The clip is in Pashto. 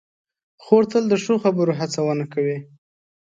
خور تل د ښو خبرو هڅونه کوي.